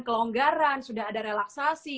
kelonggaran sudah ada relaksasi